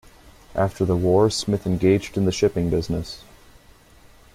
After the war, Smith engaged in the shipping business.